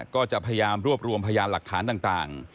ก็จะพยายามรวบรวมพยานหลักฐานต่าง